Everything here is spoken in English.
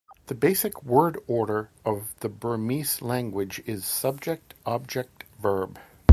The basic word order of the Burmese language is subject-object-verb.